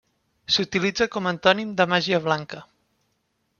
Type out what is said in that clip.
S'utilitza com a antònim de màgia blanca.